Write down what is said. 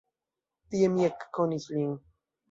Tie mi ekkonis lin.